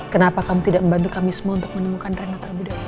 kenapa kamu tidak membantu kami semua untuk menemukan renat terlebih dahulu